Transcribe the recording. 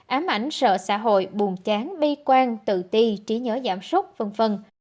ám ảnh sợ xã hội bùm chán bi quan tự ti trí nhớ giảm súc v v